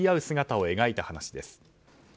姿を描いた話です。